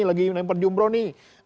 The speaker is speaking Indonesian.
lagi lempar jumroh nih